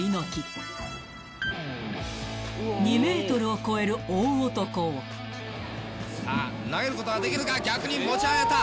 ２ｍを超える大男をさぁ投げることができるか逆に持ち上げた！